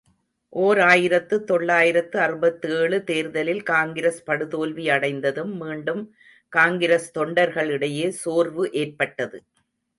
ஓர் ஆயிரத்து தொள்ளாயிரத்து அறுபத்தேழு தேர்தலில் காங்கிரஸ் படுதோல்வி அடைந்ததும் மீண்டும் காங்கிரஸ் தொண்டர்களிடையே சோர்வு ஏற்பட்டது.